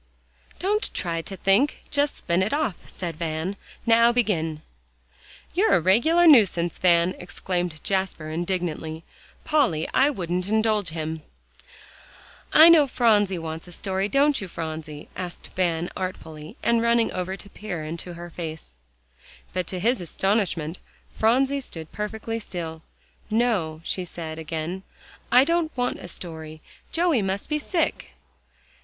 "Don't try to think; just spin it off," said Van. "Now begin." "You're a regular nuisance, Van!" exclaimed Jasper indignantly. "Polly, I wouldn't indulge him." "I know Phronsie wants a story; don't you, Phronsie?" asked Van artfully, and running over to peer into her face. But to his astonishment, Phronsie stood perfectly still. "No," she said again, "I don't want a story; Joey must be sick."